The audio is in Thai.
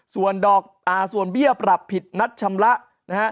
ส่วนดอกส่วนเบี้ยปรับผิดนัดชำระนะฮะ